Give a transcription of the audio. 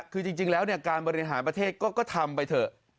คือจริงแล้วการบริหารประเทศก็ทำไปเถอะ